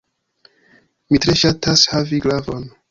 Mi tre ŝatas havi glavon.